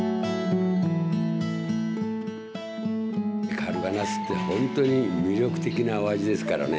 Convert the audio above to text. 狩留家なすって本当に魅力的なお味ですからね。